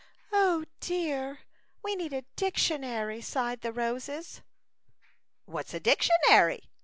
" O dear ! we need a dictionary," sighed the roses. " What's a dictionary